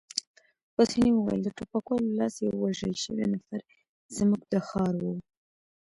پاسیني وویل: د ټوپکوالو له لاسه یو وژل شوی نفر، زموږ د ښار وو.